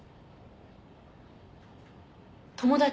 友達。